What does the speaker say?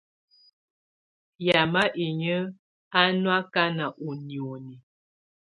Yamɛ̀á inyǝ́ á nɔ̀ akana ù nioni.